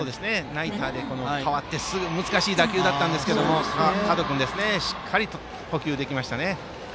ナイターで代わってすぐの難しい打球だったんですが角君、しっかりと捕球できましたね。